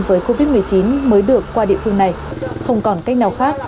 với covid một mươi chín mới được qua địa phương này không còn cách nào khác